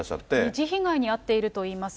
二次被害に遭っているといいます。